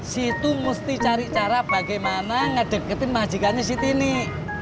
situ mesti cari cara bagaimana ngedeketin bajikannya siti nih